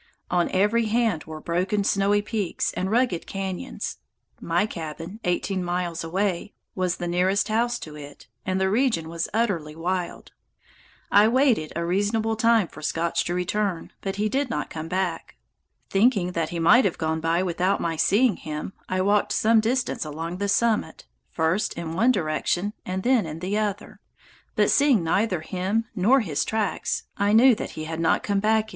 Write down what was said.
On every hand were broken snowy peaks and rugged cañons. My cabin, eighteen miles away, was the nearest house to it, and the region was utterly wild. I waited a reasonable time for Scotch to return, but he did not come back. Thinking he might have gone by without my seeing him, I walked some distance along the summit, first in one direction and then in the other, but, seeing neither him nor his tracks, I knew that he had not yet come back.